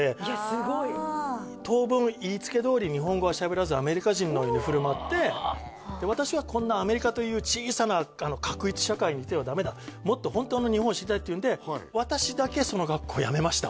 すごい当分言いつけどおり日本語はしゃべらずアメリカ人のように振る舞って私はこんなアメリカという小さな画一社会にいてはダメだもっと本当の日本を知りたいっていうんで辞めた？